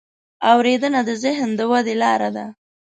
اورېدنه د ذهن د ودې لاره ده.